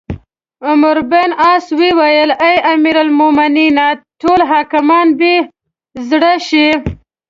عمروبن عاص وویل: اې امیرالمؤمنینه! ټول حاکمان به بې زړه شي.